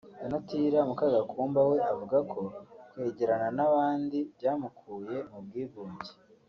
Donatilla Mukagakumba we avuga ko kwegerana n’abandi byamukuye mu bwigunge